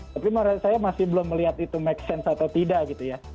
tapi saya masih belum melihat itu make sense atau tidak gitu ya